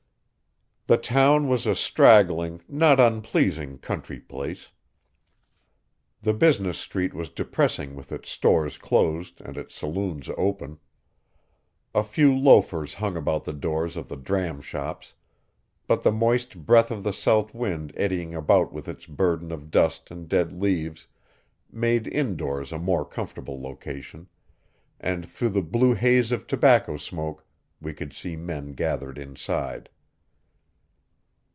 The town was a straggling, not unpleasing country place. The business street was depressing with its stores closed and its saloons open. A few loafers hung about the doors of the dram shops, but the moist breath of the south wind eddying about with its burden of dust and dead leaves made indoors a more comfortable location, and through the blue haze of tobacco smoke we could see men gathered inside.